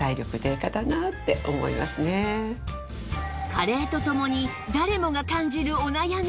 加齢とともに誰もが感じるお悩み